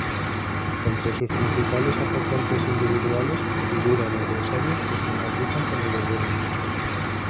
Entre sus principales aportantes "individuales" figuran empresarios que simpatizan con el Gobierno.